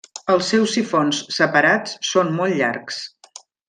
Els seus sifons separats són molt llargs.